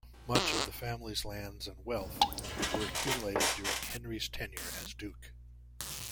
Much of the family's lands and wealth were accumulated during Henry's tenure as Duke.